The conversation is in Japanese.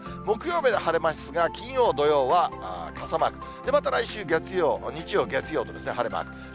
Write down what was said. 木曜日は晴れますが、金曜、土曜は傘マーク、また来週月曜、日曜、月曜と晴れマーク。